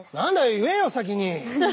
言えよ先に！